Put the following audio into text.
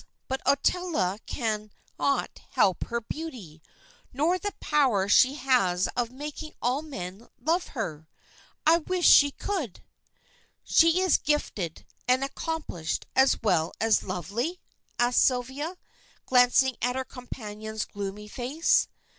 But Ottila cannot help her beauty, nor the power she has of making all men love her. I wish she could!" "She is gifted and accomplished, as well as lovely?" asked Sylvia, glancing at her companion's gloomy face.